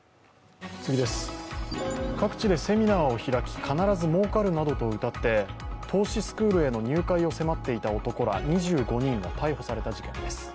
各地でセミナーを開き必ずもうかるなどとうたって投資スクールへの入会を迫っていた男ら２５人が逮捕された事件です。